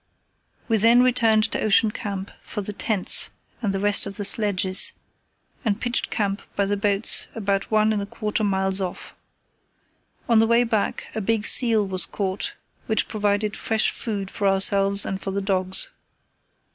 We then returned to Ocean Camp for the tents and the rest of the sledges, and pitched camp by the boats about one and a quarter miles off. On the way back a big seal was caught which provided fresh food for ourselves and for the dogs.